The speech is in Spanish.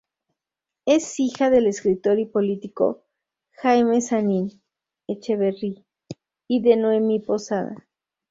Es hija del escritor y político, Jaime Sanín Echeverri y de Noemí Posada.